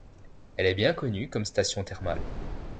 Elle est bien connue comme station thermale.